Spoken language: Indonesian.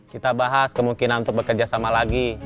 kita bahas kemungkinan untuk bekerja sama lagi